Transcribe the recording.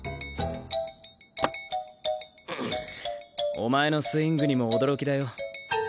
お前のスイングにも驚きだよ。